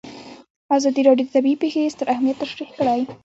ازادي راډیو د طبیعي پېښې ستر اهميت تشریح کړی.